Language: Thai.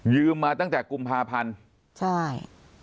มาตั้งแต่กุมภาพันธ์ใช่